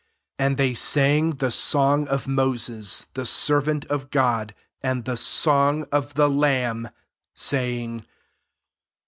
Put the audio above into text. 3 And they sang the song of Moses, the servant of God, and the song of the lamb, saying.